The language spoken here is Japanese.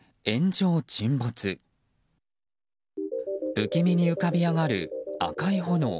不気味に浮かび上がる赤い炎。